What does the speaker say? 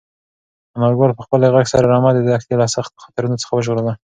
انارګل په خپل غږ سره رمه د دښتې له سختو خطرونو څخه وژغورله.